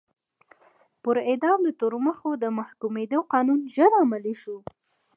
پر اعدام د تورمخو د محکومېدو قانون ژر عملي شو.